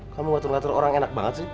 kamu ngatur ngatur orang enak banget sih